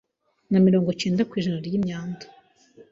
na mirongo cyenda kwijana ryimyanda